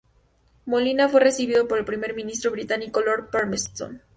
Molina fue recibido por el primer ministro británico Lord Palmerston.